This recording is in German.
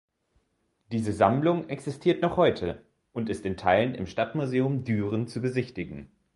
Diese Sammlung existiert noch heute und ist in Teilen im Stadtmuseum Düren zu besichtigen.